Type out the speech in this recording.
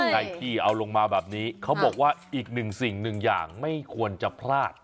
ไอ้ที่เอาลงมาแบบนี้เขาบอกว่าอีกหนึ่งสิ่งหนึ่งอย่างไม่ควรจะพลาด